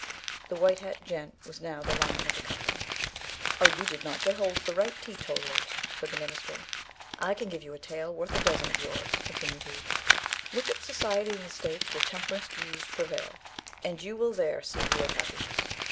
The white hat gent was now the lion of the company. "Oh, you did not get hold of the right kind of teetotallers," said the minister. "I can give you a tale worth a dozen of yours, continued he. "Look at society in the states where temperance views prevail, and you will there see real happiness.